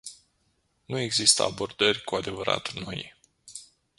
Nu există abordări cu adevărat noi.